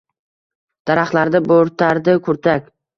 Daraxtlarda boʻrtardi kurtak